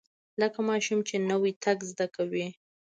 لکه ماشوم چې نوى تګ زده کوي.